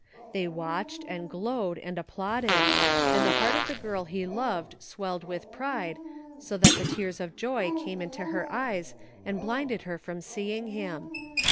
They watched and glowed and applauded, and the heart of the girl he loved swelled with pride so that the tears of joy came into her eyes and blinded her from seeing him.